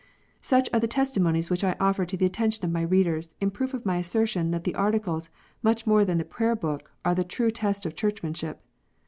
Such are the testimonies which I offer to the attention of my readers, in proof of my assertion that the Articles, much more than the Prayer book, are the true test of Churchmanship.